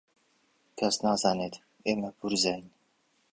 کەس نازانێت ئێمە پوورزاین.